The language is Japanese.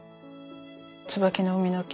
「椿の海の記」